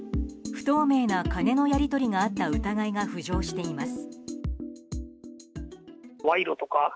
不透明な金のやり取りがあった疑いが浮上しています。